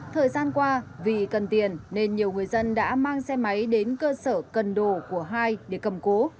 thời gian qua vì cần tiền nên nhiều người dân đã mang xe máy đến cơ sở cần đồ của hai để cầm cố